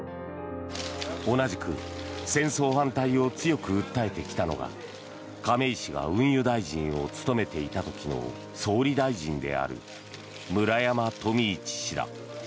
同じく戦争反対を強く訴えてきたのが亀井氏が運輸大臣を務めていた時の総理大臣である村山富市氏だ。